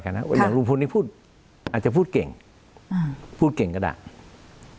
อย่างลุงพลนี้พูดอาจจะพูดเก่งอ่าพูดเก่งก็ได้